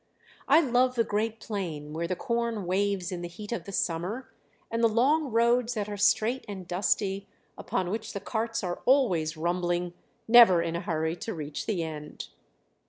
I love the great plain where the corn waves in the heat of the summer, and the long roads that are straight and dusty, upon which the carts are always rumbling never in a hurry to reach the end.